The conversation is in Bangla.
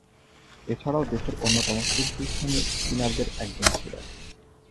এছাড়াও, দেশের অন্যতম শীর্ষস্থানীয় স্পিনারদের একজন ছিলেন।